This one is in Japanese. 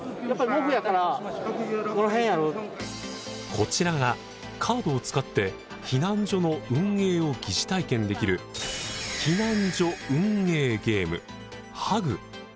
こちらがカードを使って避難所の運営を疑似体験できる避難所・運営・ゲーム「ＨＵＧ」。